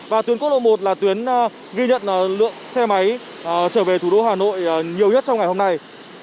và tuyến quốc lộ một là tuyến ghi nhận lượng xe máy trở về thủ đô hà nội nhiều nhất trong ngày hôm nay